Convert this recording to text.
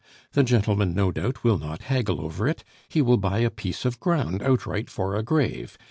The gentleman, no doubt, will not haggle over it, he will buy a piece of ground outright for a grave.